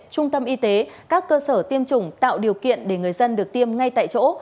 trung tâm y tế các cơ sở tiêm chủng tạo điều kiện để người dân được tiêm ngay tại chỗ